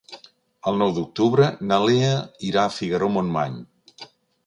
El nou d'octubre na Lea irà a Figaró-Montmany.